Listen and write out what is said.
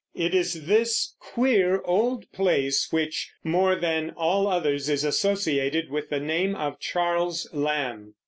It is this queer old place which, more than all others, is associated with the name of Charles Lamb.